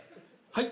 はい？